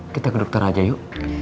kita ke dokter aja yuk